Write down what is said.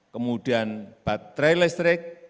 kemudian baterai listrik